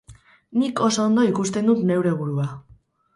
Nik oso ondo ikusten dut neure burua.